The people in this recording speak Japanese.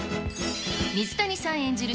水谷さん演じる